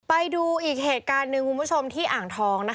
ไปดูอีกเหตุการณ์หนึ่งคุณผู้ชมที่อ่างทอง